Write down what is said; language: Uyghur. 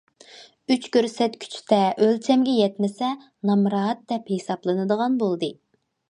ئۈچ كۆرسەتكۈچتە ئۆلچەمگە يەتمىسە نامرات، دەپ ھېسابلىنىدىغان بولدى.